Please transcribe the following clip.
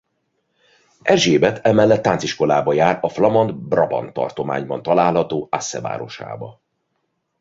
Erzsébet emellett tánciskolába jár a Flamand-Brabant tartományban található Asse városába.